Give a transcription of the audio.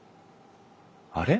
あれ？